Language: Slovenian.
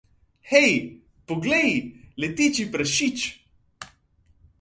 Hej, poglej, leteči prašič!